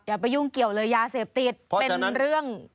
อย่าไปยุ่งเกี่ยวเลยยาเสพติดเป็นเรื่อง